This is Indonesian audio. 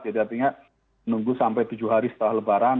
artinya menunggu sampai tujuh hari setelah lebaran